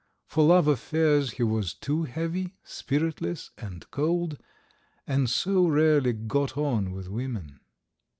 For love affairs he was too heavy, spiritless, and cold, and so rarely got on with women.